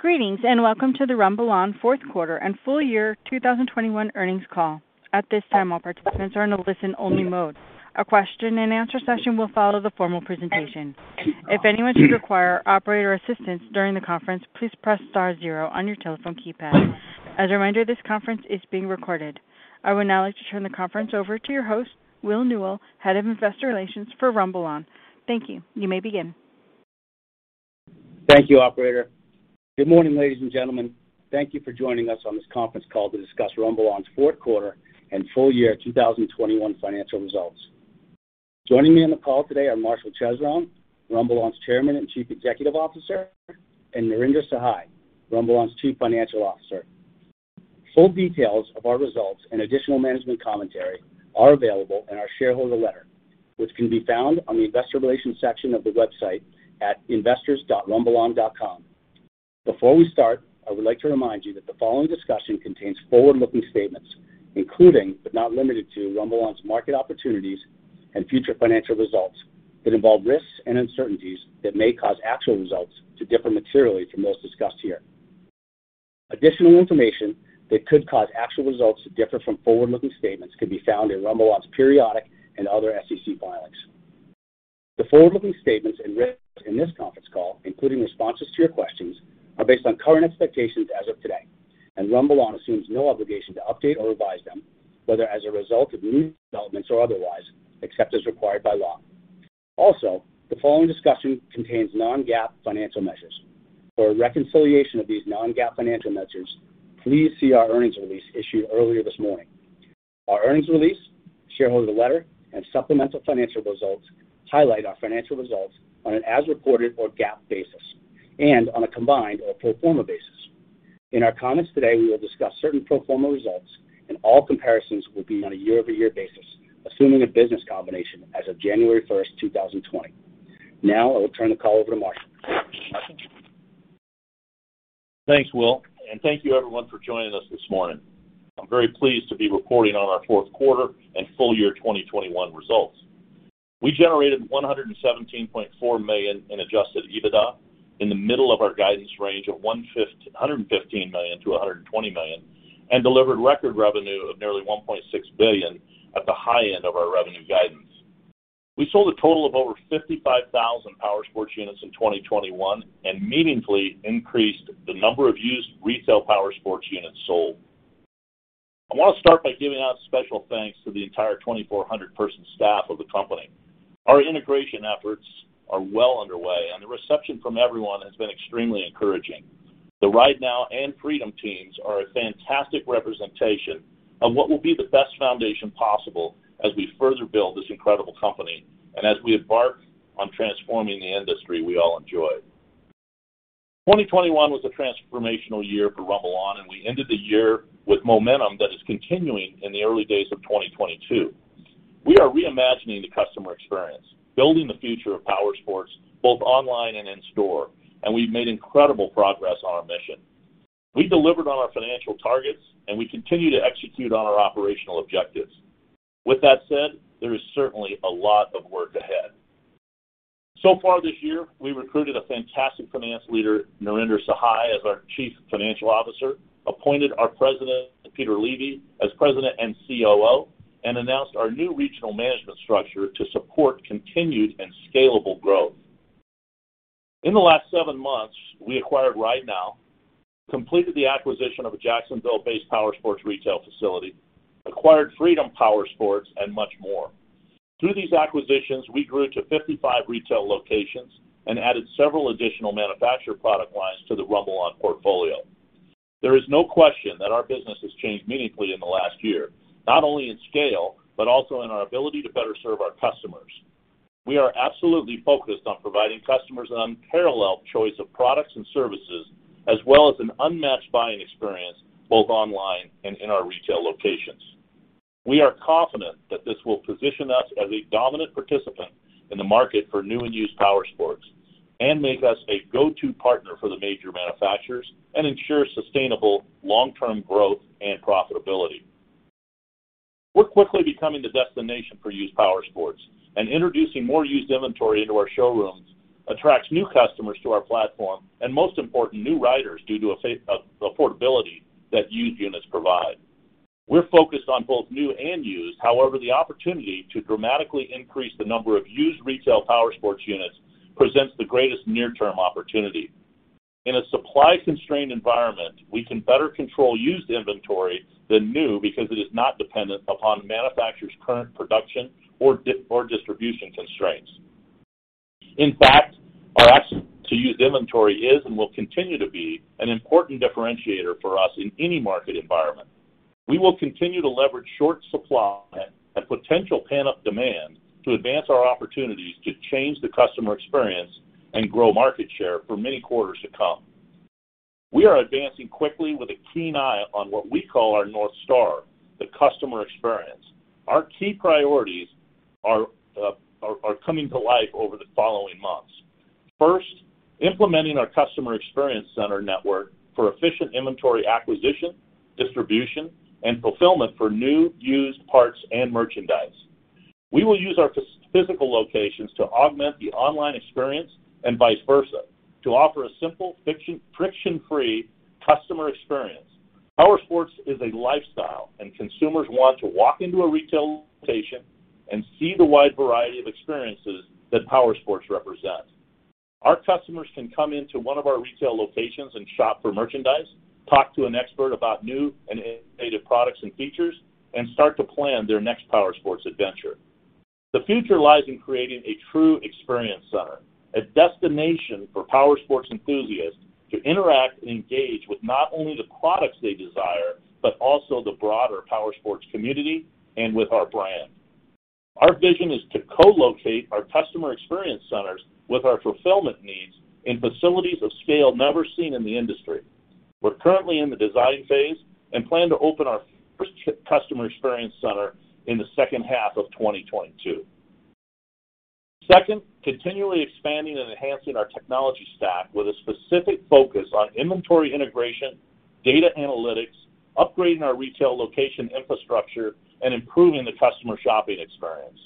Greetings, and welcome to the RumbleOn Fourth Quarter and Full year 2021 Earnings Call. At this time, all participants are in a listen only mode. A question and answer session will follow the formal presentation. If anyone should require operator assistance during the conference, please press star zero on your telephone keypad. As a reminder, this conference is being recorded. I would now like to turn the conference over to your host, Will Newell, Head of Investor Relations for RumbleOn. Thank you. You may begin. Thank you, operator. Good morning, ladies and gentlemen. Thank you for joining us on this conference call to discuss RumbleOn's fourth quarter and full year 2021 financial results. Joining me on the call today are Marshall Chesrown, RumbleOn's Chairman and Chief Executive Officer, and Narinder Sahai, RumbleOn's Chief Financial Officer. Full details of our results and additional management commentary are available in our shareholder letter, which can be found on the Investor Relations section of the website at investors.rumbleon.com. Before we start, I would like to remind you that the following discussion contains forward-looking statements, including, but not limited to, RumbleOn's market opportunities and future financial results that involve risks and uncertainties that may cause actual results to differ materially from those discussed here. Additional information that could cause actual results to differ from forward-looking statements can be found in RumbleOn's periodic and other SEC filings. The forward-looking statements and risks in this conference call, including responses to your questions, are based on current expectations as of today, and RumbleOn assumes no obligation to update or revise them, whether as a result of new developments or otherwise, except as required by law. Also, the following discussion contains non-GAAP financial measures. For a reconciliation of these non-GAAP financial measures, please see our earnings release issued earlier this morning. Our earnings release, shareholder letter, and supplemental financial results highlight our financial results on an as reported or GAAP basis and on a combined or pro forma basis. In our comments today, we will discuss certain pro forma results, and all comparisons will be on a year-over-year basis, assuming a business combination as of January first, two thousand and twenty. Now, I will turn the call over to Marshall. Thanks, Will, and thank you everyone for joining us this morning. I'm very pleased to be reporting on our fourth quarter and full year 2021 results. We generated $117.4 million in adjusted EBITDA in the middle of our guidance range of $115 million-$120 million, and delivered record revenue of nearly $1.6 billion at the high end of our revenue guidance. We sold a total of over 55,000 powersports units in 2021 and meaningfully increased the number of used retail powersports units sold. I wanna start by giving out special thanks to the entire 2,400-person staff of the company. Our integration efforts are well underway and the reception from everyone has been extremely encouraging. The RideNow and Freedom teams are a fantastic representation of what will be the best foundation possible as we further build this incredible company and as we embark on transforming the industry we all enjoy. 2021 was a transformational year for RumbleOn, and we ended the year with momentum that is continuing in the early days of 2022. We are reimagining the customer experience, building the future of powersports both online and in store, and we've made incredible progress on our mission. We delivered on our financial targets, and we continue to execute on our operational objectives. With that said, there is certainly a lot of work ahead. So far this year, we recruited a fantastic finance leader, Narinder Sahai, as our Chief Financial Officer, appointed our President, Peter Levy, as President and COO, and announced our new regional management structure to support continued and scalable growth. In the last seven months, we acquired RideNow, completed the acquisition of a Jacksonville-based powersports retail facility, acquired Freedom Powersports, and much more. Through these acquisitions, we grew to 55 retail locations and added several additional manufacturer product lines to the RumbleOn portfolio. There is no question that our business has changed meaningfully in the last year, not only in scale, but also in our ability to better serve our customers. We are absolutely focused on providing customers an unparalleled choice of products and services as well as an unmatched buying experience both online and in our retail locations. We are confident that this will position us as a dominant participant in the market for new and used powersports and make us a go-to partner for the major manufacturers and ensure sustainable long-term growth and profitability. We're quickly becoming the destination for used powersports, and introducing more used inventory into our showrooms attracts new customers to our platform and, most important, new riders due to affordability that used units provide. We're focused on both new and used. However, the opportunity to dramatically increase the number of used retail powersports units presents the greatest near-term opportunity. In a supply-constrained environment, we can better control used inventory than new because it is not dependent upon manufacturers' current production or distribution constraints. In fact, our access to used inventory is and will continue to be an important differentiator for us in any market environment. We will continue to leverage short supply and potential pent-up demand to advance our opportunities to change the customer experience and grow market share for many quarters to come. We are advancing quickly with a keen eye on what we call our North Star, the customer experience. Our key priorities are coming to life over the following months. First, implementing our customer experience center network for efficient inventory acquisition, distribution, and fulfillment for new, used parts, and merchandise. We will use our physical locations to augment the online experience and vice versa to offer a simple friction-free customer experience. Powersports is a lifestyle, and consumers want to walk into a retail location and see the wide variety of experiences that powersports represent. Our customers can come into one of our retail locations and shop for merchandise, talk to an expert about new and innovative products and features, and start to plan their next powersports adventure. The future lies in creating a true experience center, a destination for powersports enthusiasts to interact and engage with not only the products they desire, but also the broader powersports community and with our brand. Our vision is to co-locate our customer experience centers with our fulfillment needs in facilities of scale never seen in the industry. We're currently in the design phase and plan to open our first customer experience center in the second half of 2022. Second, continually expanding and enhancing our technology stack with a specific focus on inventory integration, data analytics, upgrading our retail location infrastructure, and improving the customer shopping experience.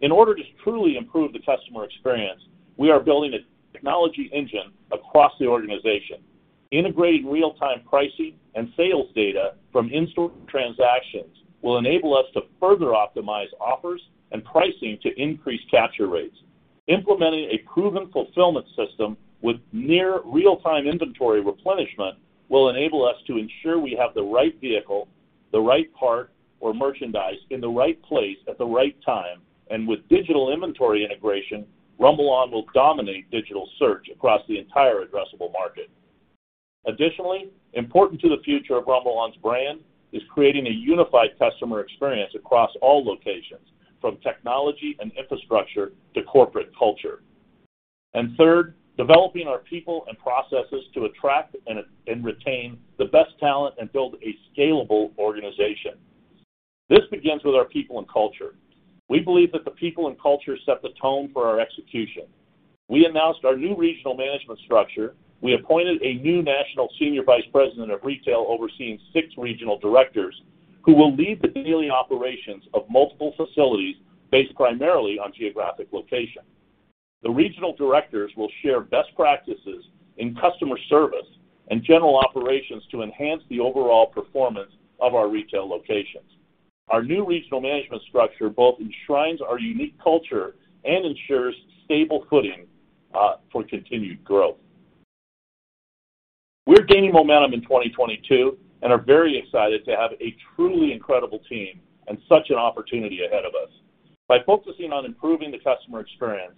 In order to truly improve the customer experience, we are building a technology engine across the organization. Integrating real-time pricing and sales data from in-store transactions will enable us to further optimize offers and pricing to increase capture rates. Implementing a proven fulfillment system with near real-time inventory replenishment will enable us to ensure we have the right vehicle, the right part, or merchandise in the right place at the right time. With digital inventory integration, RumbleOn will dominate digital search across the entire addressable market. Additionally, important to the future of RumbleOn's brand is creating a unified customer experience across all locations, from technology and infrastructure to corporate culture. Third, developing our people and processes to attract and retain the best talent and build a scalable organization. This begins with our people and culture. We believe that the people and culture set the tone for our execution. We announced our new regional management structure. We appointed a new national senior vice president of retail overseeing six regional directors who will lead the daily operations of multiple facilities based primarily on geographic location. The regional directors will share best practices in customer service and general operations to enhance the overall performance of our retail locations. Our new regional management structure both enshrines our unique culture and ensures stable footing for continued growth. We're gaining momentum in 2022 and are very excited to have a truly incredible team and such an opportunity ahead of us. By focusing on improving the customer experience,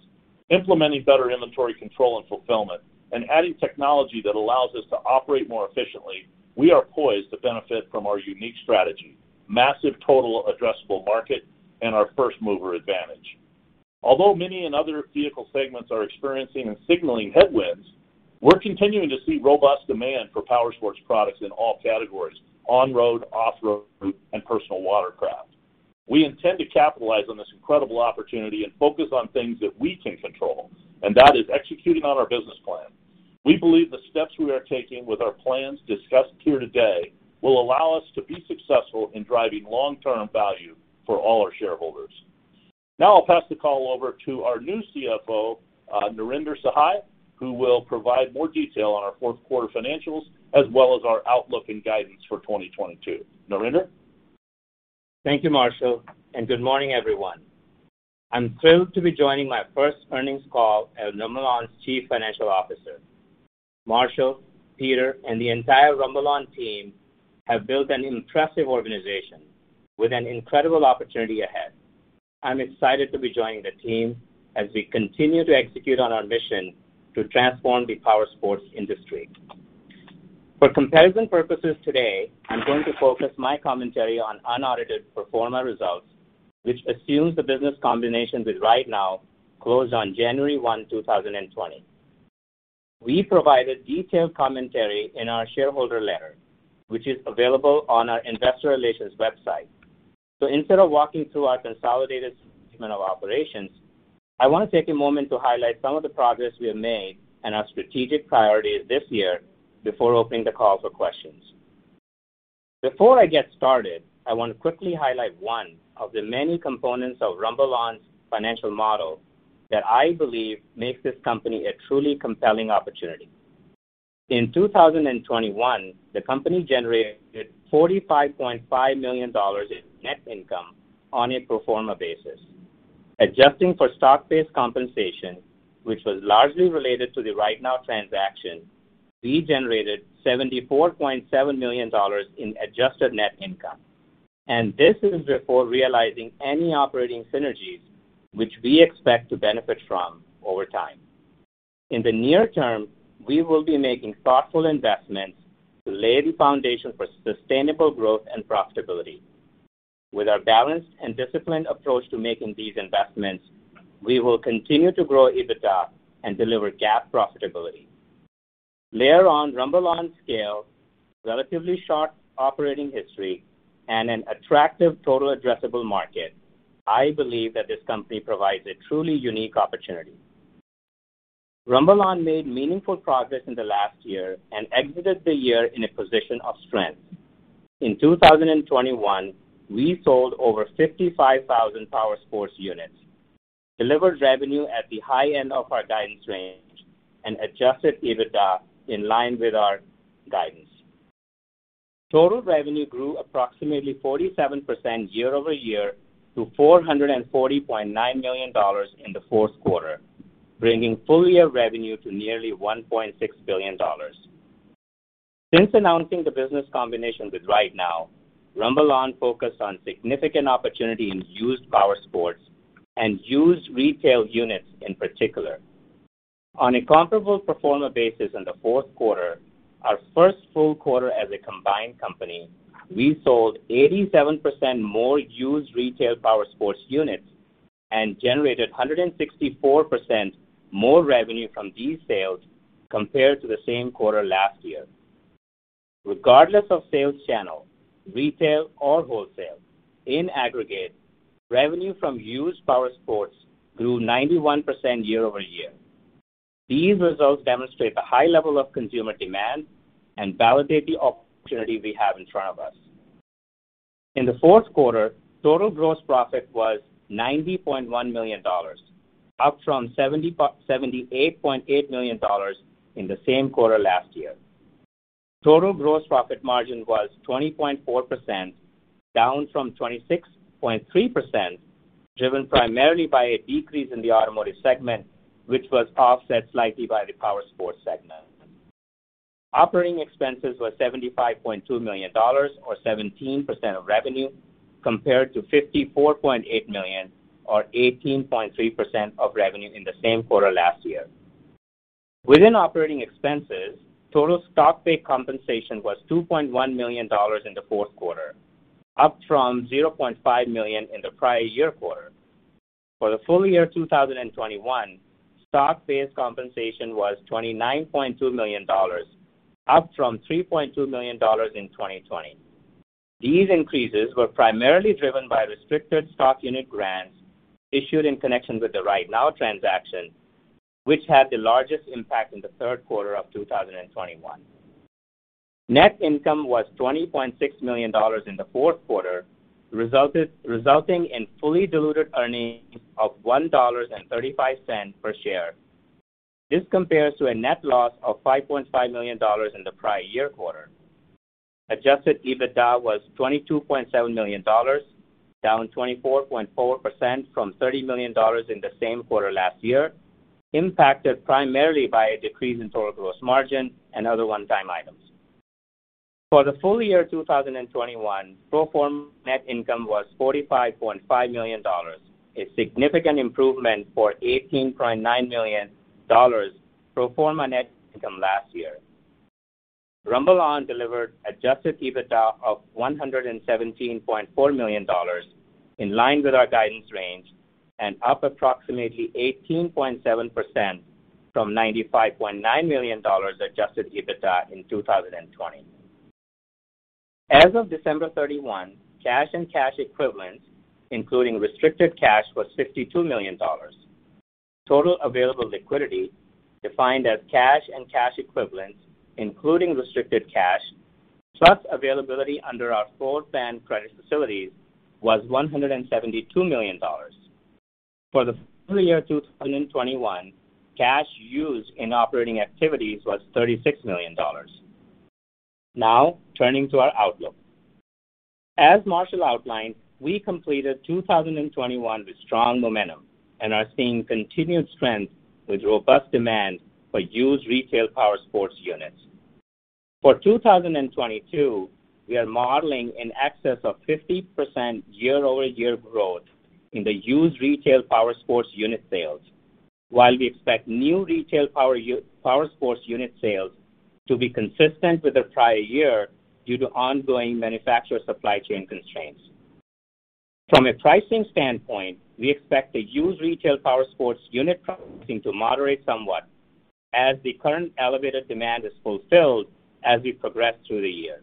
implementing better inventory control and fulfillment, and adding technology that allows us to operate more efficiently, we are poised to benefit from our unique strategy, massive total addressable market, and our first-mover advantage. Although many other vehicle segments are experiencing and signaling headwinds, we're continuing to see robust demand for powersports products in all categories, on-road, off-road, and personal watercraft. We intend to capitalize on this incredible opportunity and focus on things that we can control, and that is executing on our business plan. We believe the steps we are taking with our plans discussed here today will allow us to be successful in driving long-term value for all our shareholders. Now I'll pass the call over to our new CFO, Narinder Sahai, who will provide more detail on our fourth quarter financials as well as our outlook and guidance for 2022. Narinder? Thank you, Marshall, and good morning, everyone. I'm thrilled to be joining my first earnings call as RumbleOn's Chief Financial Officer. Marshall, Peter, and the entire RumbleOn team have built an impressive organization with an incredible opportunity ahead. I'm excited to be joining the team as we continue to execute on our mission to transform the powersports industry. For comparison purposes today, I'm going to focus my commentary on unaudited pro forma results, which assumes the business combination with RideNow closed on January 1, 2020. We provided detailed commentary in our shareholder letter, which is available on our investor relations website. Instead of walking through our consolidated statement of operations, I wanna take a moment to highlight some of the progress we have made and our strategic priorities this year before opening the call for questions. Before I get started, I wanna quickly highlight one of the many components of RumbleOn's financial model that I believe makes this company a truly compelling opportunity. In 2021, the company generated $45.5 million in net income on a pro forma basis. Adjusting for stock-based compensation, which was largely related to the RideNow transaction, we generated $74.7 million in adjusted net income. This is before realizing any operating synergies which we expect to benefit from over time. In the near term, we will be making thoughtful investments to lay the foundation for sustainable growth and profitability. With our balanced and disciplined approach to making these investments, we will continue to grow EBITDA and deliver GAAP profitability. Layer on RumbleOn's scale, relatively short operating history, and an attractive total addressable market, I believe that this company provides a truly unique opportunity. RumbleOn made meaningful progress in the last year and exited the year in a position of strength. In 2021, we sold over 55,000 powersports units, delivered revenue at the high end of our guidance range, and adjusted EBITDA in line with our guidance. Total revenue grew approximately 47% year-over-year to $440.9 million in the fourth quarter, bringing full year revenue to nearly $1.6 billion. Since announcing the business combination with RideNow, RumbleOn focused on significant opportunity in used powersports and used retail units in particular. On a comparable pro forma basis in the fourth quarter, our first full quarter as a combined company, we sold 87% more used retail powersports units and generated 164% more revenue from these sales compared to the same quarter last year. Regardless of sales channel, retail or wholesale, in aggregate, revenue from used powersports grew 91% year-over-year. These results demonstrate the high level of consumer demand and validate the opportunity we have in front of us. In the fourth quarter, total gross profit was $90.1 million, up from $78.8 million in the same quarter last year. Total gross profit margin was 20.4%, down from 26.3%, driven primarily by a decrease in the automotive segment, which was offset slightly by the powersports segment. Operating expenses were $75.2 million or 17% of revenue, compared to $54.8 million or 18.3% of revenue in the same quarter last year. Within operating expenses, total stock-based compensation was $2.1 million in the fourth quarter, up from $0.5 million in the prior year quarter. For the full year 2021, stock-based compensation was $29.2 million, up from $3.2 million in 2020. These increases were primarily driven by restricted stock unit grants issued in connection with the RideNow transaction, which had the largest impact in the third quarter of 2021. Net income was $20.6 million in the fourth quarter, resulting in fully diluted earnings of $1.35 per share. This compares to a net loss of $5.5 million in the prior year quarter. Adjusted EBITDA was $22.7 million, down 24.4% from $30 million in the same quarter last year, impacted primarily by a decrease in total gross margin and other one-time items. For the full year 2021, pro forma net income was $45.5 million, a significant improvement from $18.9 million pro forma net income last year. RumbleOn delivered adjusted EBITDA of $117.4 million in line with our guidance range and up approximately 18.7% from $95.9 million adjusted EBITDA in 2020. As of December 31, cash and cash equivalents, including restricted cash, was $52 million. Total available liquidity, defined as cash and cash equivalents, including restricted cash plus availability under our floor plan credit facilities, was $172 million. For the full year 2021, cash used in operating activities was $36 million. Now, turning to our outlook. As Marshall outlined, we completed 2021 with strong momentum and are seeing continued strength with robust demand for used retail powersports units. For 2022, we are modeling in excess of 50% year-over-year growth in the used retail powersports unit sales, while we expect new retail powersports unit sales to be consistent with the prior year due to ongoing manufacturer supply chain constraints. From a pricing standpoint, we expect the used retail powersports unit pricing to moderate somewhat as the current elevated demand is fulfilled as we progress through the year.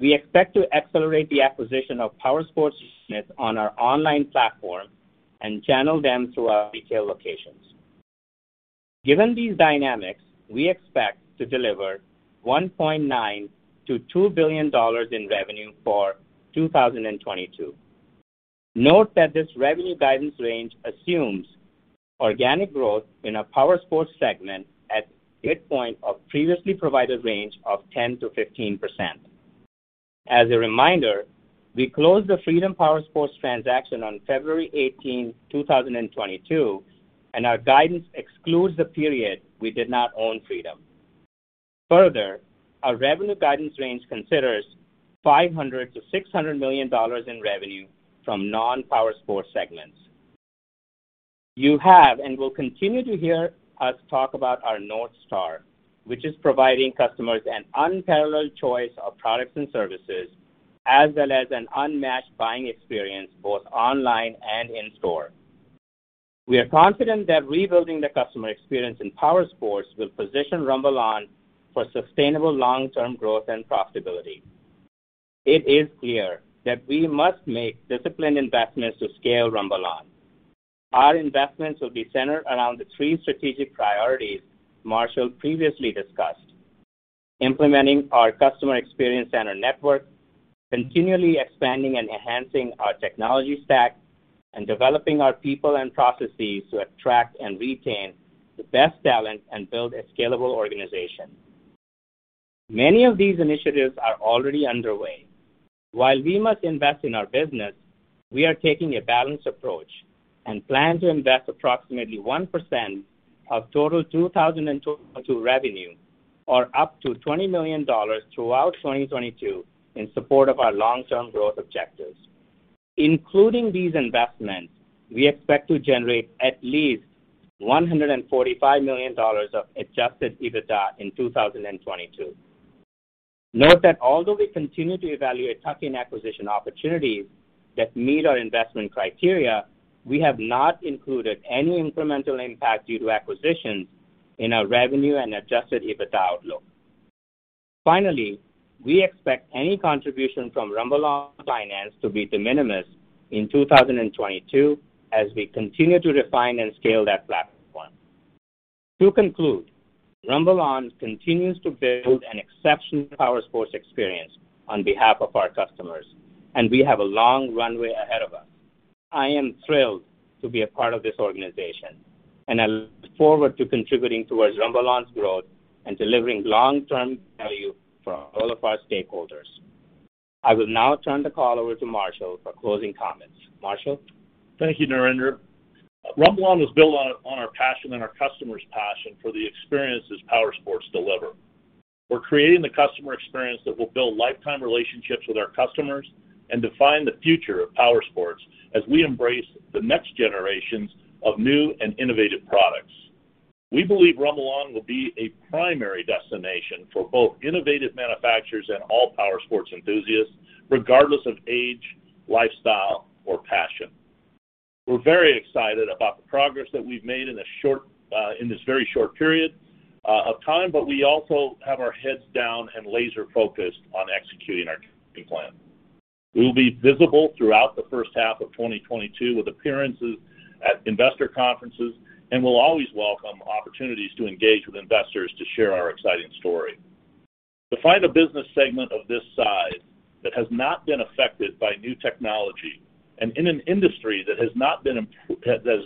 We expect to accelerate the acquisition of powersports units on our online platform and channel them through our retail locations. Given these dynamics, we expect to deliver $1.9 billion-$2 billion in revenue for 2022. Note that this revenue guidance range assumes organic growth in our powersports segment at midpoint of previously provided range of 10%-15%. As a reminder, we closed the Freedom Powersports transaction on February 18, 2022, and our guidance excludes the period we did not own Freedom. Further, our revenue guidance range considers $500 million-$600 million in revenue from non-powersports segments. You have and will continue to hear us talk about our North Star, which is providing customers an unparalleled choice of products and services, as well as an unmatched buying experience both online and in store. We are confident that rebuilding the customer experience in powersports will position RumbleOn for sustainable long-term growth and profitability. It is clear that we must make disciplined investments to scale RumbleOn. Our investments will be centered around the three strategic priorities Marshall previously discussed, implementing our customer experience center network, continually expanding and enhancing our technology stack, and developing our people and processes to attract and retain the best talent and build a scalable organization. Many of these initiatives are already underway. While we must invest in our business, we are taking a balanced approach and plan to invest approximately 1% of total 2022 revenue or up to $20 million throughout 2022 in support of our long-term growth objectives. Including these investments, we expect to generate at least $145 million of adjusted EBITDA in 2022. Note that although we continue to evaluate tuck-in acquisition opportunities that meet our investment criteria, we have not included any incremental impact due to acquisitions in our revenue and adjusted EBITDA outlook. Finally, we expect any contribution from RumbleOn Finance to be de minimis in 2022 as we continue to refine and scale that platform. To conclude, RumbleOn continues to build an exceptional powersports experience on behalf of our customers, and we have a long runway ahead of us. I am thrilled to be a part of this organization, and I look forward to contributing towards RumbleOn's growth and delivering long-term value for all of our stakeholders. I will now turn the call over to Marshall for closing comments. Marshall? Thank you, Narinder. RumbleOn was built on our passion and our customers' passion for the experiences powersports deliver. We're creating the customer experience that will build lifetime relationships with our customers and define the future of powersports as we embrace the next generations of new and innovative products. We believe RumbleOn will be a primary destination for both innovative manufacturers and all powersports enthusiasts, regardless of age, lifestyle, or passion. We're very excited about the progress that we've made in this very short period of time, but we also have our heads down and laser-focused on executing our plan. We'll be visible throughout the first half of 2022 with appearances at investor conferences, and we'll always welcome opportunities to engage with investors to share our exciting story. To find a business segment of this size that has not been affected by new technology and in an industry that has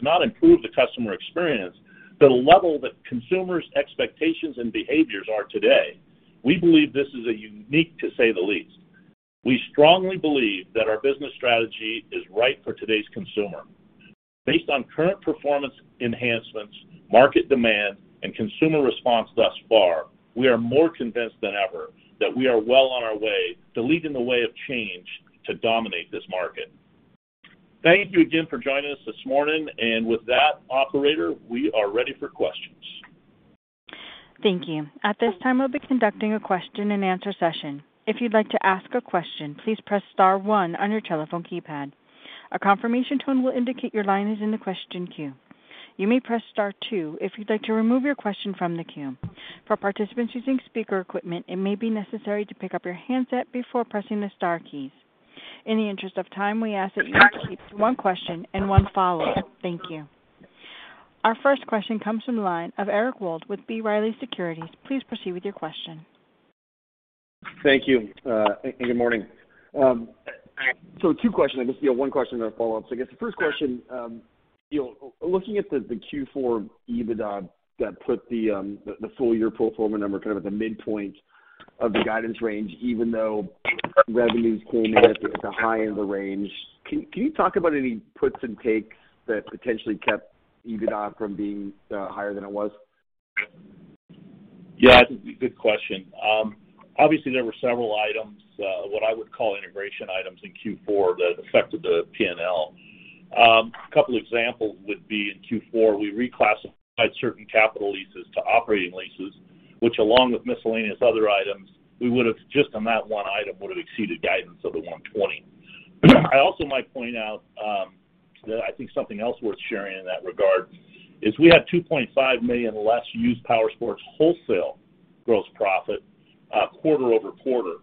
not improved the customer experience, the level that consumers' expectations and behaviors are today, we believe this is a unique, to say the least. We strongly believe that our business strategy is right for today's consumer. Based on current performance enhancements, market demand, and consumer response thus far, we are more convinced than ever that we are well on our way to leading the way of change to dominate this market. Thank you again for joining us this morning. With that, operator, we are ready for questions. Thank you. At this time, we'll be conducting a question-and-answer session. If you'd like to ask a question, please press star one on your telephone keypad. A confirmation tone will indicate your line is in the question queue. You may press star two if you'd like to remove your question from the queue. For participants using speaker equipment, it may be necessary to pick up your handset before pressing the star keys. In the interest of time, we ask that you keep one question and one follow. Thank you. Our first question comes from the line of Eric Wold with B. Riley Securities. Please proceed with your question. Thank you, and good morning. Two questions. I guess, you know, one question and a follow-up. I guess the first question, you know, looking at the Q4 EBITDA that put the full-year pro forma number kind of at the midpoint of the guidance range, even though revenues came in at the high end of the range, can you talk about any puts and takes that potentially kept EBITDA from being higher than it was? Yeah, good question. Obviously, there were several items, what I would call integration items in Q4 that affected the P&L. A couple examples would be in Q4, we reclassified certain capital leases to operating leases, which along with miscellaneous other items, we would have just on that one item exceeded guidance of $120. I also might point out that I think something else worth sharing in that regard is we have $2.5 million less used powersports wholesale gross profit, quarter-over-quarter.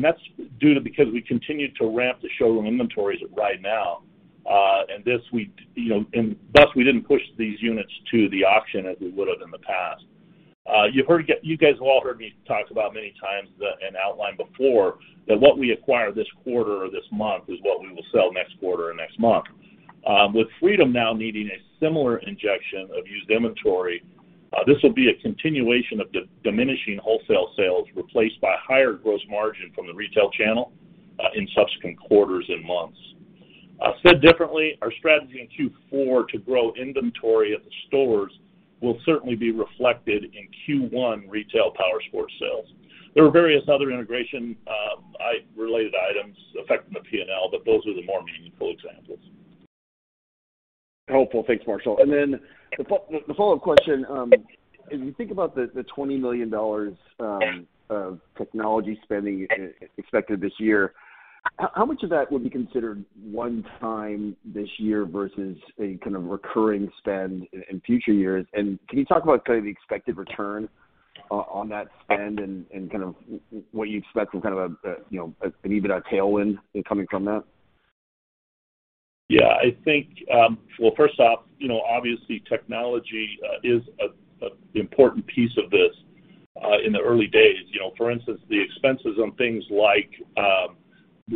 That's due to because we continued to ramp the showroom inventories right now, and this week, you know, and thus, we didn't push these units to the auction as we would have in the past. You heard, you guys all heard me talk about many times and outlined before that what we acquire this quarter or this month is what we will sell next quarter or next month. With Freedom now needing a similar injection of used inventory, this will be a continuation of diminishing wholesale sales replaced by higher gross margin from the retail channel, in subsequent quarters and months. Said differently, our strategy in Q4 to grow inventory at the stores will certainly be reflected in Q1 retail powersports sales. There are various other integration-related items affecting the P&L, but those are the more meaningful examples. Helpful. Thanks, Marshall. Then the follow-up question, as you think about the $20 million technology spending expected this year. How much of that would be considered one-time this year versus a kind of recurring spend in future years? And can you talk about kind of the expected return on that spend and kind of what you expect from kind of a you know an EBITDA tailwind coming from that? Yeah, I think, well, first off, you know, obviously technology is an important piece of this in the early days. You know, for instance, the expenses on things like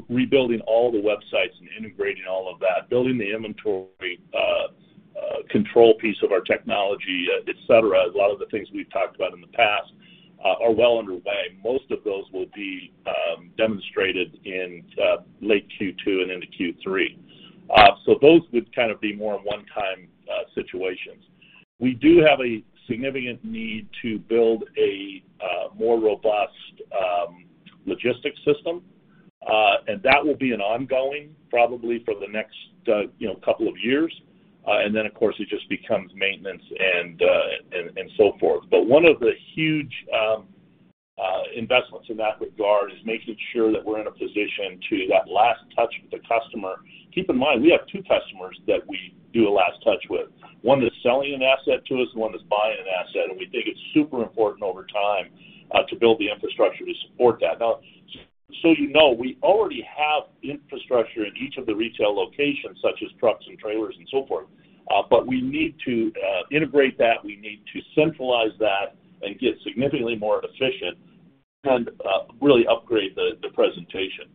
rebuilding all the websites and integrating all of that, building the inventory control piece of our technology, et cetera, a lot of the things we've talked about in the past are well underway. Most of those will be demonstrated in late Q2 and into Q3. Those would kind of be more one-time situations. We do have a significant need to build a more robust logistics system, and that will be an ongoing probably for the next you know couple of years. Then of course it just becomes maintenance and so forth. One of the huge investments in that regard is making sure that we're in a position to that last touch with the customer. Keep in mind, we have two customers that we do a last touch with. One is selling an asset to us, one is buying an asset, and we think it's super important over time to build the infrastructure to support that. Now, you know, we already have infrastructure in each of the retail locations, such as trucks and trailers and so forth, but we need to integrate that. We need to centralize that and get significantly more efficient and really upgrade the presentation.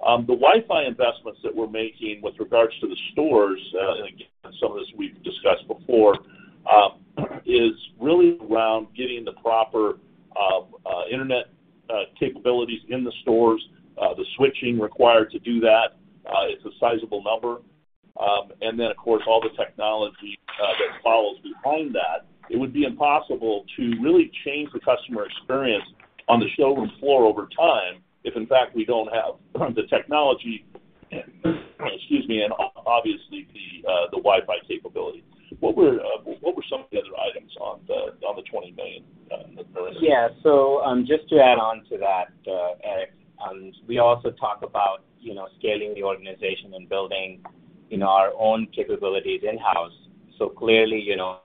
The Wi-Fi investments that we're making with regards to the stores, and again, some of this we've discussed before, is really around getting the proper internet capabilities in the stores, the switching required to do that is a sizable number. And then of course all the technology that follows behind that. It would be impossible to really change the customer experience on the showroom floor over time if in fact we don't have the technology and, excuse me, and obviously the Wi-Fi capability. What were some of the other items on the $20 million, Narinder? Yeah. Just to add on to that, Eric, we also talk about, you know, scaling the organization and building, you know, our own capabilities in-house. Clearly, you know,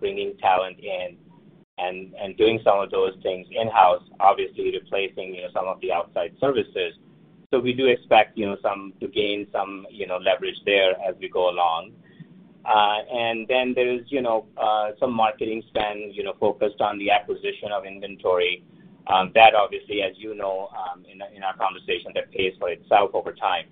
bringing talent in and doing some of those things in-house, obviously replacing, you know, some of the outside services. We do expect, you know, to gain some, you know, leverage there as we go along. And then there's, you know, some marketing spends, you know, focused on the acquisition of inventory, that obviously, as you know, in our conversation that pays for itself over time.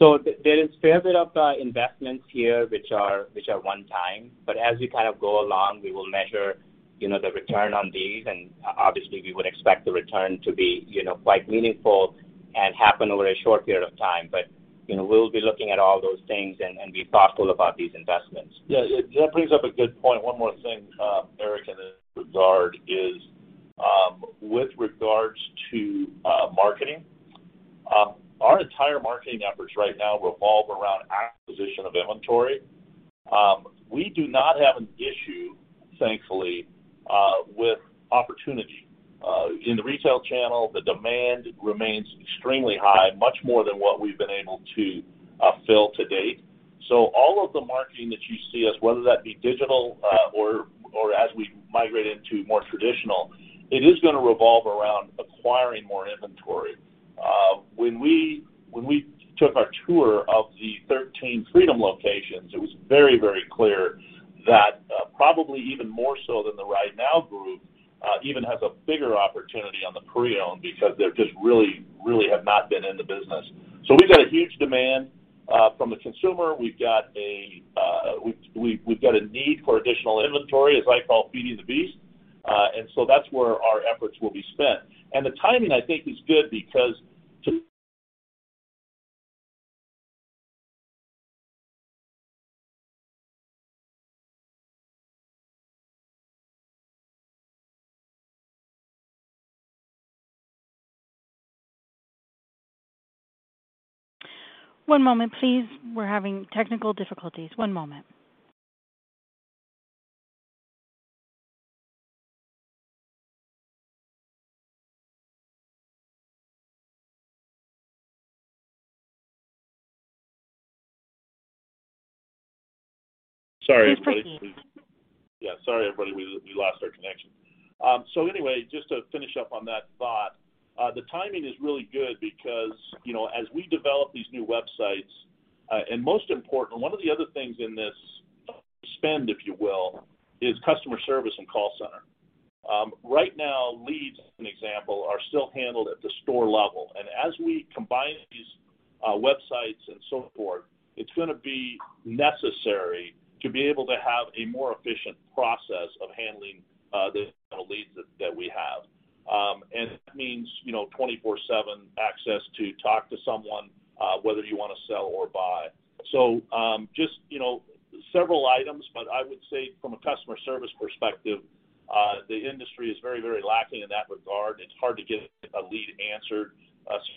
There is a fair bit of investments here which are one time, but as we kind of go along, we will measure, you know, the return on these, and obviously we would expect the return to be, you know, quite meaningful and happen over a short period of time. You know, we'll be looking at all those things and be thoughtful about these investments. Yeah, that brings up a good point. One more thing, Eric, in this regard is with regards to marketing. Our entire marketing efforts right now revolve around acquisition of inventory. We do not have an issue, thankfully, with opportunity. In the retail channel, the demand remains extremely high, much more than what we've been able to fill to date. All of the marketing that you see us, whether that be digital, or as we migrate into more traditional, it is gonna revolve around acquiring more inventory. When we took our tour of the 13 Freedom locations, it was very, very clear that, probably even more so than the RideNow Group, even has a bigger opportunity on the pre-owned because they're just really, really have not been in the business. We've got a huge demand from the consumer. We've got a need for additional inventory, as I call feeding the beast. That's where our efforts will be spent. The timing I think is good because to- One moment, please. We're having technical difficulties. One moment. Sorry, everybody. We're talking again. Yeah, sorry, everybody, we lost our connection. Just to finish up on that thought, the timing is really good because, you know, as we develop these new websites, and most important, one of the other things in this spend, if you will, is customer service and call center. Right now, leads, as an example, are still handled at the store level. As we combine these websites and so forth, it's gonna be necessary to be able to have a more efficient process of handling the leads that we have. That means, you know, 24/7 access to talk to someone, whether you wanna sell or buy. Just, you know, several items, but I would say from a customer service perspective, the industry is very, very lacking in that regard. It's hard to get a lead answered.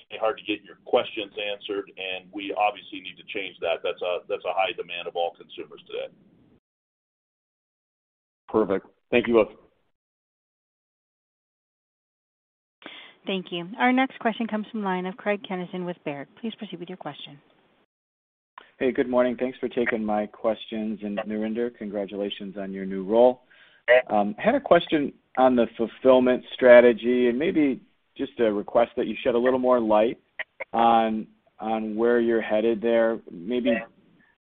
It's hard to get your questions answered, and we obviously need to change that. That's a high demand of all consumers today. Perfect. Thank you both. Thank you. Our next question comes from the line of Craig Kennison with Baird. Please proceed with your question. Hey, good morning. Thanks for taking my questions. Narinder, congratulations on your new role. I had a question on the fulfillment strategy, and maybe just a request that you shed a little more light on where you're headed there.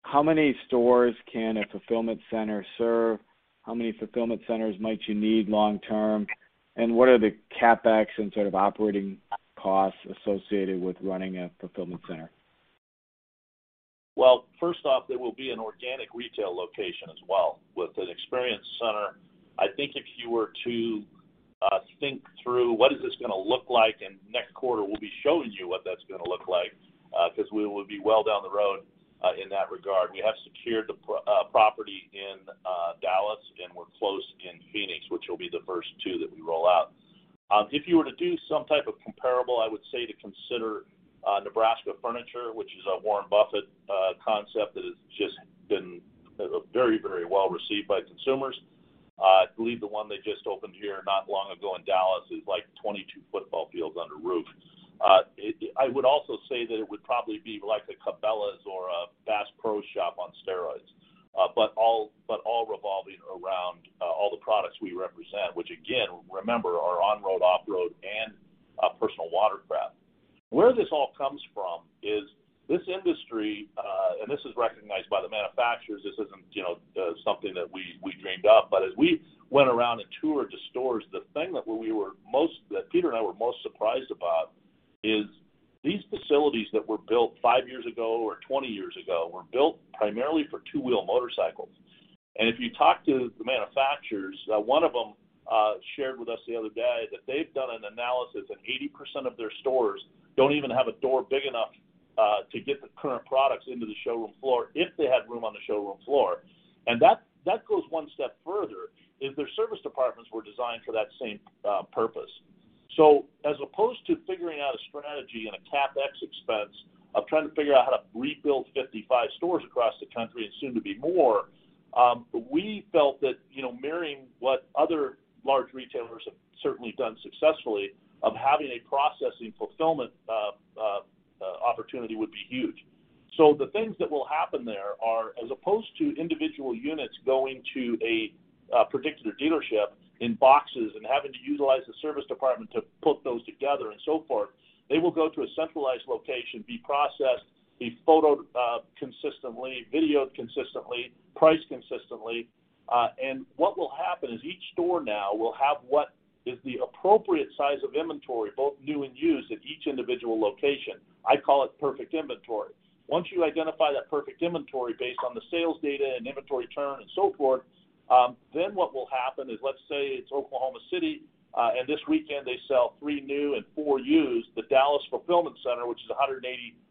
How many stores can a fulfillment center serve? How many fulfillment centers might you need long term? What are the CapEx and sort of operating costs associated with running a fulfillment center? Well, first off, there will be an organic retail location as well with an experience center. I think if you were to think through what is this gonna look like, and next quarter, we'll be showing you what that's gonna look like, 'cause we will be well down the road in that regard. We have secured the property in Dallas, and we're close in Phoenix, which will be the first two that we roll out. If you were to do some type of comparable, I would say to consider Nebraska Furniture, which is a Warren Buffett concept that has just been very, very well received by consumers. I believe the one they just opened here not long ago in Dallas is like 22 football fields under roof. I would also say that it would probably be like a Cabela's or a Bass Pro Shops on steroids. All revolving around all the products we represent, which again, remember are on road, off road and personal watercraft. Where this all comes from is this industry, and this is recognized by the manufacturers. This isn't, you know, something that we dreamed up. As we went around and toured the stores, the thing that Peter and I were most surprised about is these facilities that were built 5 years ago or 20 years ago were built primarily for two-wheel motorcycles. If you talk to the manufacturers, one of them shared with us the other day that they've done an analysis, and 80% of their stores don't even have a door big enough to get the current products into the showroom floor if they had room on the showroom floor. That goes one step further. Their service departments were designed for that same purpose. As opposed to figuring out a strategy and a CapEx expense of trying to figure out how to rebuild 55 stores across the country and soon to be more, we felt that, you know, marrying what other large retailers have certainly done successfully of having a processing fulfillment opportunity would be huge. The things that will happen there are, as opposed to individual units going to a particular dealership in boxes and having to utilize the service department to put those together and so forth, they will go to a centralized location, be processed, be photographed consistently, videoed consistently, priced consistently. What will happen is each store now will have what is the appropriate size of inventory, both new and used, at each individual location. I call it perfect inventory. Once you identify that perfect inventory based on the sales data and inventory turn and so forth, then what will happen is, let's say it's Oklahoma City, and this weekend they sell three new and four used, the Dallas fulfillment center, which is 180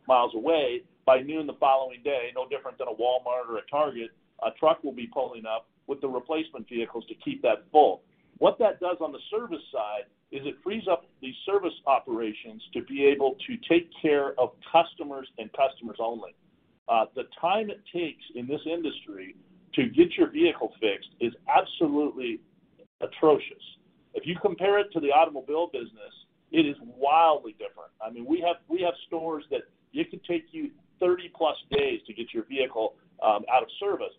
miles away, by noon the following day, no different than a Walmart or a Target, a truck will be pulling up with the replacement vehicles to keep that full. What that does on the service side is it frees up the service operations to be able to take care of customers and customers only. The time it takes in this industry to get your vehicle fixed is absolutely atrocious. If you compare it to the automobile business, it is wildly different. I mean, we have stores that it could take you 30+ days to get your vehicle out of service.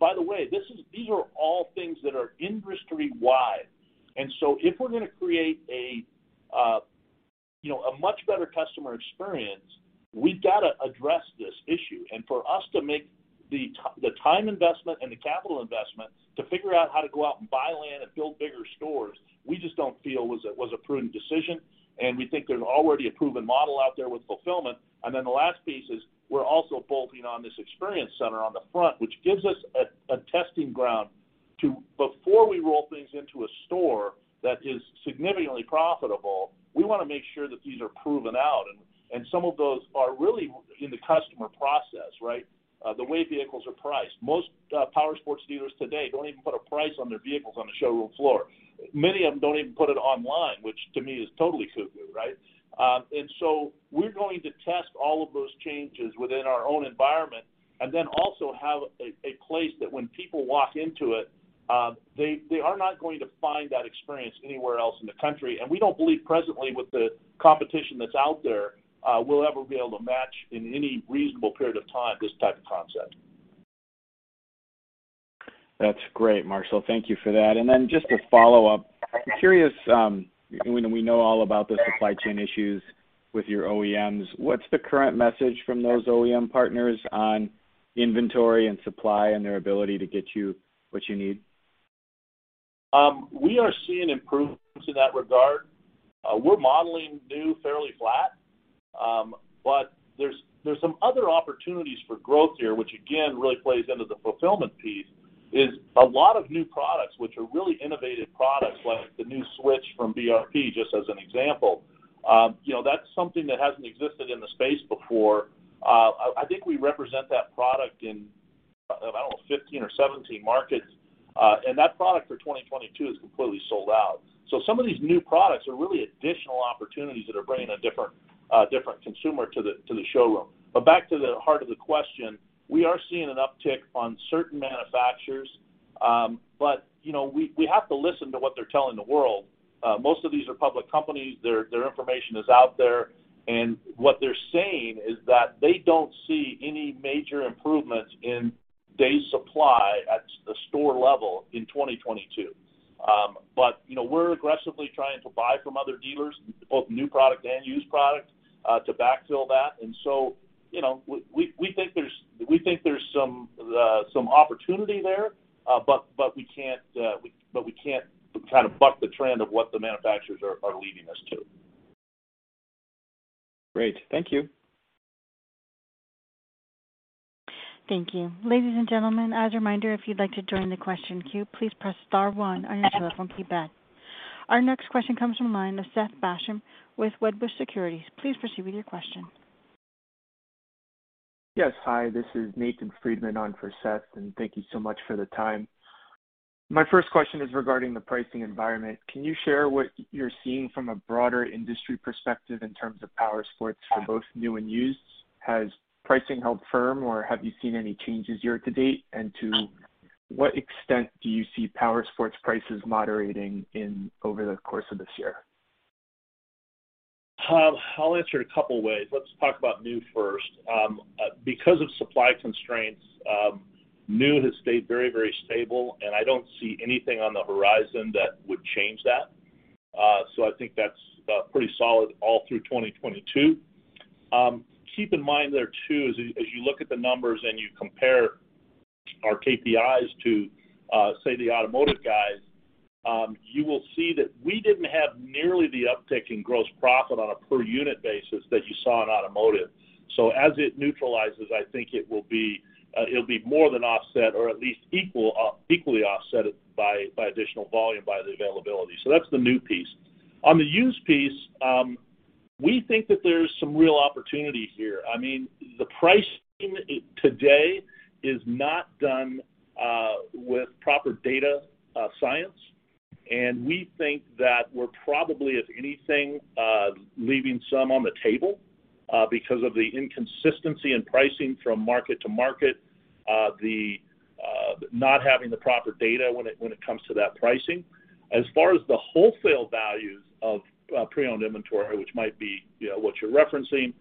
By the way, these are all things that are industry-wide. If we're gonna create a you know a much better customer experience, we've got to address this issue. For us to make the time investment and the capital investment to figure out how to go out and buy land and build bigger stores, we just don't feel was a prudent decision, and we think there's already a proven model out there with fulfillment. The last piece is we're also bolting on this experience center on the front, which gives us a testing ground to before we roll things into a store that is significantly profitable, we wanna make sure that these are proven out. Some of those are really in the customer process, right, the way vehicles are priced. Most powersports dealers today don't even put a price on their vehicles on the showroom floor. Many of them don't even put it online, which to me is totally cuckoo, right? We're going to test all of those changes within our own environment, and then also have a place that when people walk into it, they are not going to find that experience anywhere else in the country. We don't believe presently with the competition that's out there, we'll ever be able to match in any reasonable period of time this type of concept. That's great, Marshall. Thank you for that. Just to follow up, I'm curious, and we know all about the supply chain issues with your OEMs. What's the current message from those OEM partners on inventory and supply and their ability to get you what you need? We are seeing improvements in that regard. We're modeling new fairly flat. There's some other opportunities for growth here, which again really plays into the fulfillment piece, is a lot of new products which are really innovative products like the new Switch from BRP, just as an example. You know, that's something that hasn't existed in the space before. I think we represent that product in, I don't know, 15 or 17 markets. That product for 2022 is completely sold out. Some of these new products are really additional opportunities that are bringing a different consumer to the showroom. Back to the heart of the question, we are seeing an uptick on certain manufacturers, but you know, we have to listen to what they're telling the world. Most of these are public companies. Their information is out there. What they're saying is that they don't see any major improvements in days supply at the store level in 2022. You know, we're aggressively trying to buy from other dealers, both new product and used product, to backfill that. You know, we think there's some opportunity there, but we can't kind of buck the trend of what the manufacturers are leading us to. Great. Thank you. Thank you. Ladies and gentlemen, as a reminder, if you'd like to join the question queue, please press star one on your telephone keypad. Our next question comes from the line of Seth Basham with Wedbush Securities. Please proceed with your question. Yes. Hi, this is Nathan Friedman on for Seth, and thank you so much for the time. My first question is regarding the pricing environment. Can you share what you're seeing from a broader industry perspective in terms of powersports for both new and used? Has pricing held firm, or have you seen any changes year to date? To what extent do you see powersports prices moderating in over the course of this year? I'll answer a couple ways. Let's talk about new first. Because of supply constraints, new has stayed very, very stable, and I don't see anything on the horizon that would change that. I think that's pretty solid all through 2022. Keep in mind there too, as you look at the numbers and you compare our KPIs to, say, the automotive guys, you will see that we didn't have nearly the uptick in gross profit on a per unit basis that you saw in automotive. As it neutralizes, I think it will be, it'll be more than offset or at least equal, equally offset by additional volume, by the availability. That's the new piece. On the used piece, we think that there's some real opportunity here. I mean, the pricing today is not done with proper data science, and we think that we're probably, if anything, leaving some on the table because of the inconsistency in pricing from market to market, the not having the proper data when it comes to that pricing. As far as the wholesale values of pre-owned inventory, which might be, you know, what you're referencing,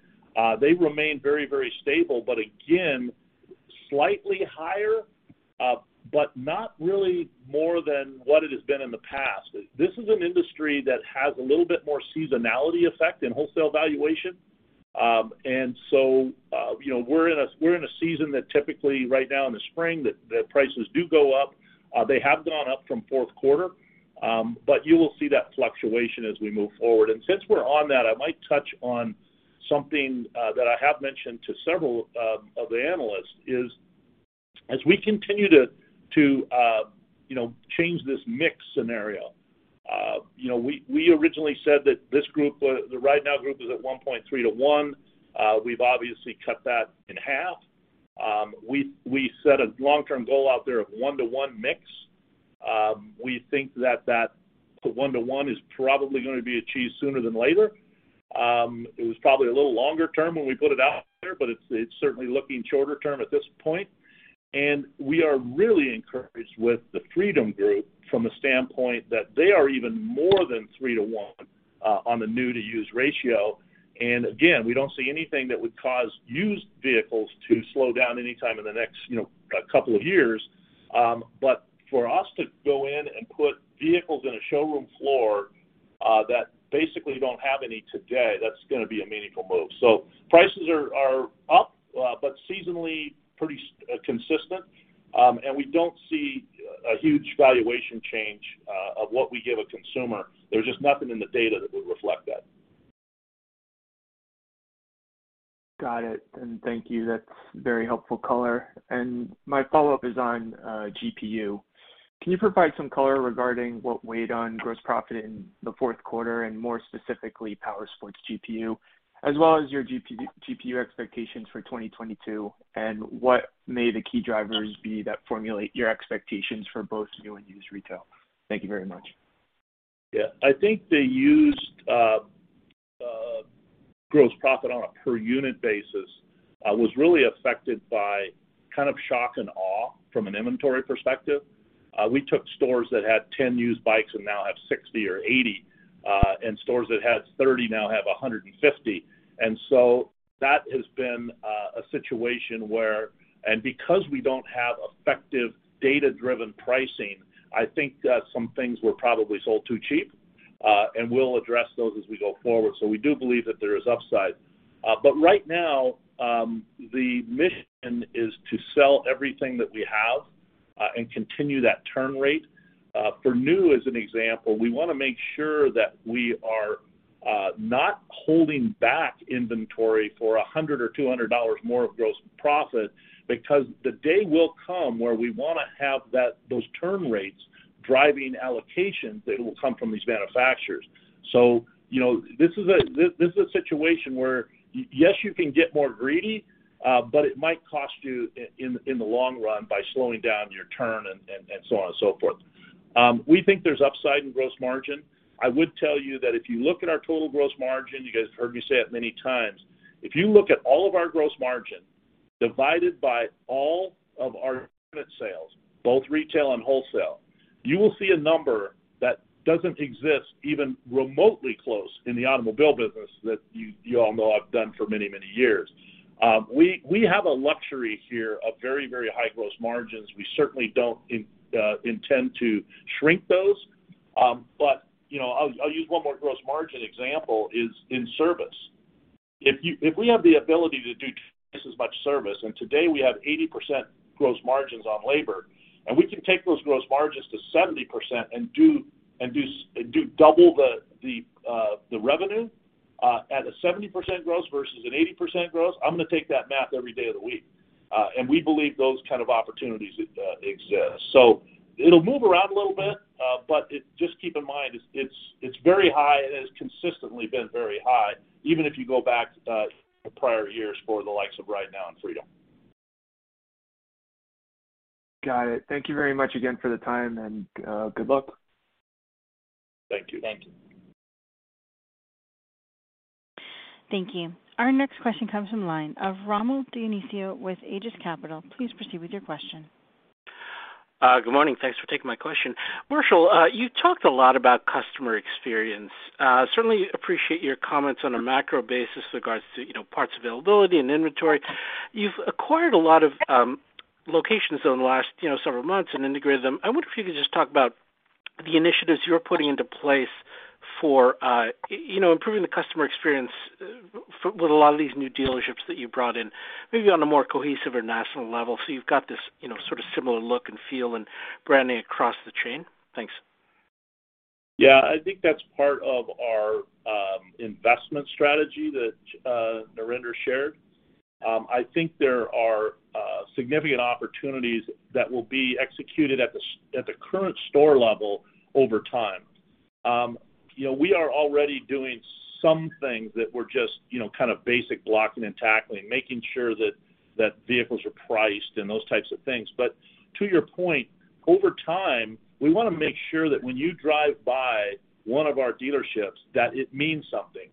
they remain very, very stable, but again, slightly higher, but not really more than what it has been in the past. This is an industry that has a little bit more seasonality effect in wholesale valuation. You know, we're in a season that typically right now in the spring that prices do go up. They have gone up from fourth quarter, but you will see that fluctuation as we move forward. Since we're on that, I might touch on something that I have mentioned to several of the analysts as we continue to you know, change this mix scenario, you know, we originally said that this group, the RideNow Group, was at 1.3 to 1. We've obviously cut that in half. We set a long-term goal out there of 1-to-1 mix. We think that 1-to-1 is probably gonna be achieved sooner than later. It was probably a little longer term when we put it out there, but it's certainly looking shorter term at this point. We are really encouraged with the Freedom Group from a standpoint that they are even more than 3-to-1 on the new-to-used ratio. Again, we don't see anything that would cause used vehicles to slow down anytime in the next, you know, couple of years. For us to go in and put vehicles on the showroom floor that basically don't have any today, that's gonna be a meaningful move. Prices are up, but seasonally pretty consistent. We don't see a huge valuation change of what we give a consumer. There's just nothing in the data that would reflect that. Got it. Thank you. That's very helpful color. My follow-up is on GPU. Can you provide some color regarding what weighed on gross profit in the fourth quarter and more specifically Powersports GPU, as well as your GPU expectations for 2022 and what may the key drivers be that formulate your expectations for both new and used retail? Thank you very much. Yeah. I think the used gross profit on a per unit basis was really affected by kind of shock and awe from an inventory perspective. We took stores that had 10 used bikes and now have 60 or 80, and stores that had 30 now have 150. That has been a situation, and because we don't have effective data-driven pricing, I think that some things were probably sold too cheap, and we'll address those as we go forward. We do believe that there is upside. But right now, the mission is to sell everything that we have, and continue that turn rate. For new, as an example, we wanna make sure that we are not holding back inventory for $100 or $200 more of gross profit because the day will come where we wanna have that, those turn rates driving allocations that will come from these manufacturers. You know, this is a situation where yes, you can get more greedy, but it might cost you in the long run by slowing down your turn and so on and so forth. We think there's upside in gross margin. I would tell you that if you look at our total gross margin, you guys have heard me say it many times. If you look at all of our gross margin divided by all of our unit sales, both retail and wholesale, you will see a number that doesn't exist even remotely close in the automobile business that you all know I've done for many, many years. We have a luxury here of very, very high gross margins. We certainly don't intend to shrink those. You know, I'll use one more gross margin example is in service. If we have the ability to do twice as much service, and today we have 80% gross margins on labor, and we can take those gross margins to 70% and do double the revenue at a 70% gross versus an 80% gross, I'm gonna take that math every day of the week. We believe those kind of opportunities exist. It'll move around a little bit, but just keep in mind, it's very high and has consistently been very high, even if you go back to the prior years for the likes of RideNow and Freedom. Got it. Thank you very much again for the time, and good luck. Thank you. Thank you. Thank you. Our next question comes from the line of Rommel Dionisio with Aegis Capital. Please proceed with your question. Good morning. Thanks for taking my question. Marshall, you talked a lot about customer experience. Certainly appreciate your comments on a macro basis with regards to, you know, parts availability and inventory. You've acquired a lot of locations over the last, you know, several months and integrated them. I wonder if you could just talk about the initiatives you're putting into place for, you know, improving the customer experience with a lot of these new dealerships that you brought in, maybe on a more cohesive or national level. You've got this, you know, sort of similar look and feel and branding across the chain. Thanks. Yeah. I think that's part of our investment strategy that Narinder shared. I think there are significant opportunities that will be executed at the current store level over time. You know, we are already doing some things that were just, you know, kind of basic blocking and tackling, making sure that vehicles are priced and those types of things. To your point, over time, we want to make sure that when you drive by one of our dealerships, that it means something.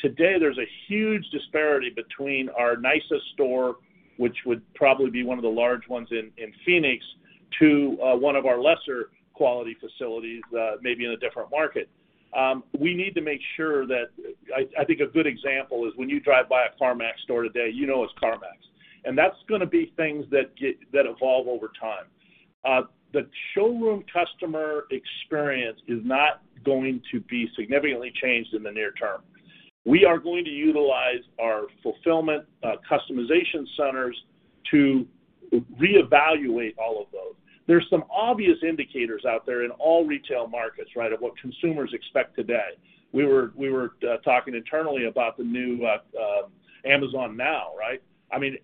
Today, there's a huge disparity between our nicest store, which would probably be one of the large ones in Phoenix, to one of our lesser quality facilities, maybe in a different market. We need to make sure that. I think a good example is when you drive by a CarMax store today, you know it's CarMax. That's gonna be things that evolve over time. The showroom customer experience is not going to be significantly changed in the near term. We are going to utilize our fulfillment, customization centers to reevaluate all of those. There's some obvious indicators out there in all retail markets, right, of what consumers expect today. We were talking internally about the new Amazon Now, right? I mean,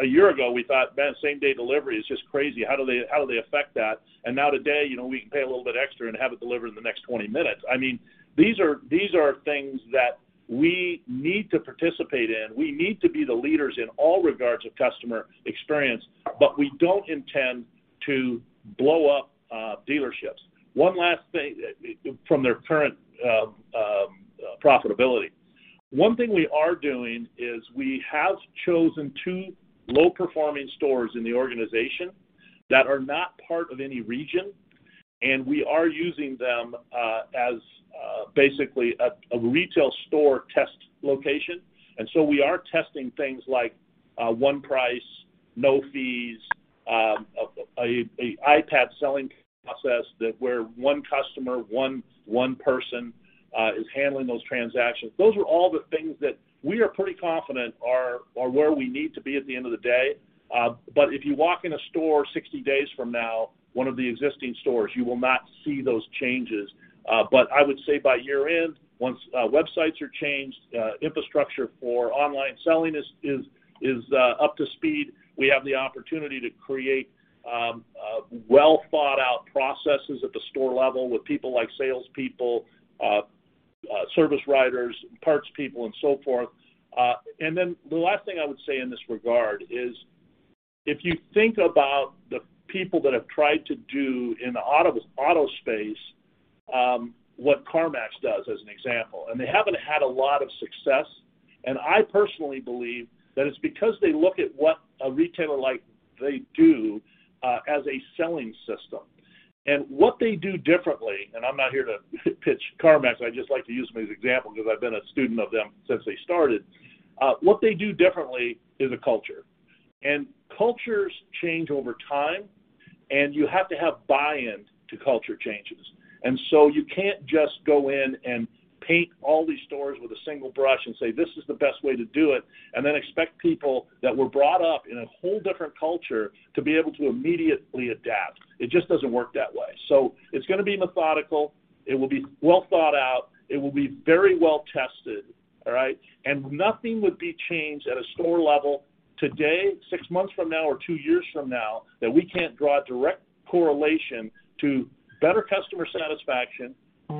a year ago, we thought that same day delivery is just crazy. How do they affect that? Now today, you know, we can pay a little bit extra and have it delivered in the next 20 minutes. I mean, these are things that we need to participate in. We need to be the leaders in all regards of customer experience, but we don't intend to blow up dealerships. One last thing, from their current profitability. One thing we are doing is we have chosen two low-performing stores in the organization that are not part of any region, and we are using them as basically a retail store test location. We are testing things like one price, no fees, a iPad selling process that where one customer, one person is handling those transactions. Those are all the things that we are pretty confident are where we need to be at the end of the day. But if you walk in a store 60 days from now, one of the existing stores, you will not see those changes. I would say by year-end, once websites are changed, infrastructure for online selling is up to speed, we have the opportunity to create well thought out processes at the store level with people like salespeople, service writers, parts people and so forth. The last thing I would say in this regard is, if you think about the people that have tried to do in the auto space what CarMax does as an example, and they haven't had a lot of success. I personally believe that it's because they look at what a retailer like they do as a selling system. What they do differently, and I'm not here to pitch CarMax, I just like to use them as an example because I've been a student of them since they started. What they do differently is a culture. Cultures change over time, and you have to have buy-in to culture changes. You can't just go in and paint all these stores with a single brush and say, "This is the best way to do it," and then expect people that were brought up in a whole different culture to be able to immediately adapt. It just doesn't work that way. It's gonna be methodical. It will be well thought out. It will be very well tested. All right? Nothing would be changed at a store level today, six months from now or two years from now, that we can't draw a direct correlation to better customer satisfaction,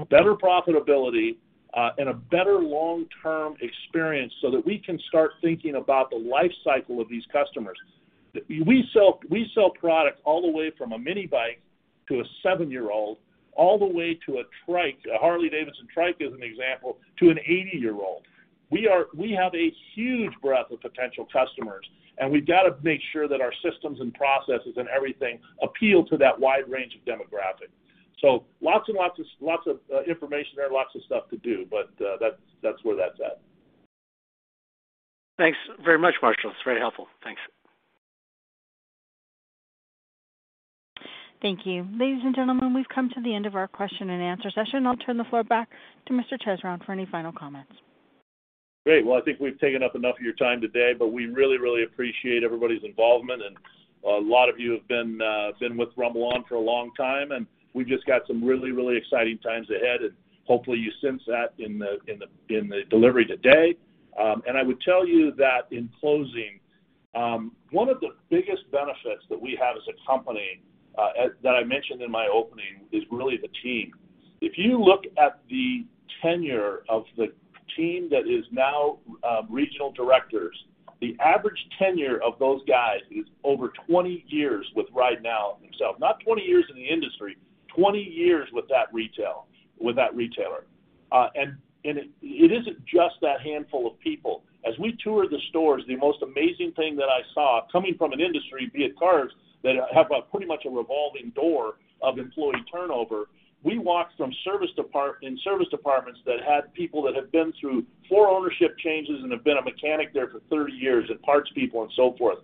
better profitability, and a better long-term experience so that we can start thinking about the life cycle of these customers. We sell products all the way from a mini bike to a seven-year-old, all the way to a trike. A Harley-Davidson trike is an example, to an eighty-year-old. We have a huge breadth of potential customers, and we've got to make sure that our systems and processes and everything appeal to that wide range of demographic. Lots of information there, lots of stuff to do, but that's where that's at. Thanks very much, Marshall. It's very helpful. Thanks. Thank you. Ladies and gentlemen, we've come to the end of our question and answer session. I'll turn the floor back to Mr. Marshall Chesrown for any final comments. Great. Well, I think we've taken up enough of your time today, but we really, really appreciate everybody's involvement. A lot of you have been with RumbleOn for a long time, and we've just got some really, really exciting times ahead. Hopefully you sense that in the delivery today. I would tell you that in closing, one of the biggest benefits that we have as a company that I mentioned in my opening is really the team. If you look at the tenure of the team that is now regional directors, the average tenure of those guys is over 20 years with RideNow themselves. Not 20 years in the industry, 20 years with that retail, with that retailer. It isn't just that handful of people. As we tour the stores, the most amazing thing that I saw coming from an industry, be it cars, that have a pretty much a revolving door of employee turnover. We walked in service departments that had people that have been through four ownership changes and have been a mechanic there for 30 years and parts people and so forth.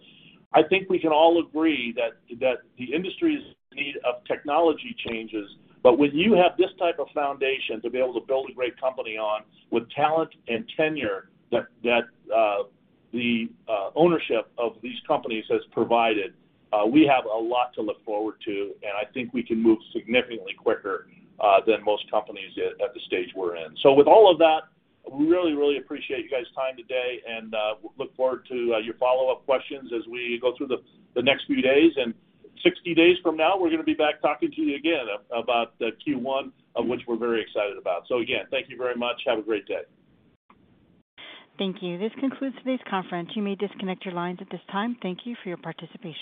I think we can all agree that the industry is in need of technology changes. When you have this type of foundation to be able to build a great company on with talent and tenure that the ownership of these companies has provided, we have a lot to look forward to, and I think we can move significantly quicker than most companies at the stage we're in. With all of that, we really, really appreciate you guys' time today and look forward to your follow-up questions as we go through the next few days. 60 days from now, we're gonna be back talking to you again about the Q1, which we're very excited about. Again, thank you very much. Have a great day. Thank you. This concludes today's conference. You may disconnect your lines at this time. Thank you for your participation.